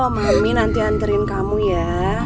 mami nanti anterin kamu ya